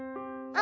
「あ！」